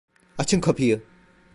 Açın kapıyı!